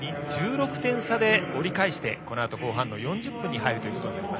１６点差で折り返してこのあと、後半４０分に入ります。